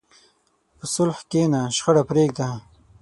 په صلح کښېنه، شخړه پرېږده.